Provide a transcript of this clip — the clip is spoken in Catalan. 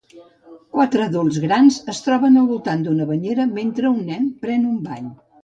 Quatre adults grans es troben al voltant d'una banyera mentre un nen pren un bany.